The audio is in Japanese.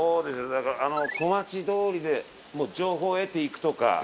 だから小町通りでもう情報得て行くとか。